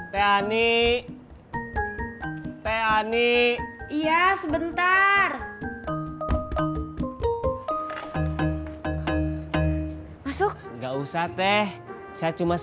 tapi di bawah makin muda